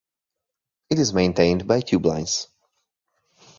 It is maintained by Tube Lines.